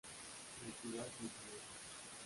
En ciudad mucho menos.